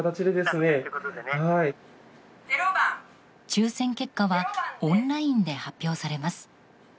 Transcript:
抽選結果はオンラインで発表されます。